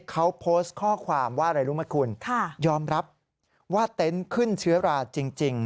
เขาโพสต์ข้อความว่าอะไรรู้ไหมคุณยอมรับว่าเต็นต์ขึ้นเชื้อราจริง